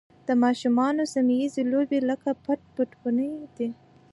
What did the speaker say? د ماشومانو سیمه ییزې لوبې لکه پټ پټونی دي.